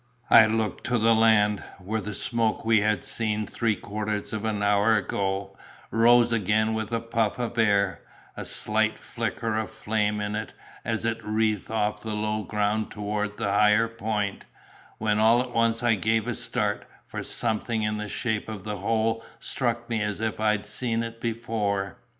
I looked to the land, where the smoke we had seen three quarters of an hour ago, rose again with the puff of air, a slight flicker of flame in it, as it wreathed off the low ground toward the higher point—when all at once I gave a start, for something in the shape of the whole struck me as if I'd seen it before.